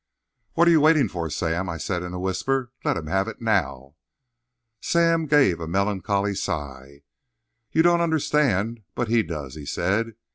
"What are you waiting for, Sam?" I said in a whisper. "Let him have it now!" Sam gave a melancholy sigh. "You don't understand; but he does," he said.